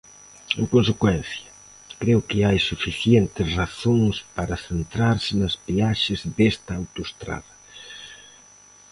En consecuencia, creo que hai suficientes razóns para centrarse nas peaxes desta autoestrada.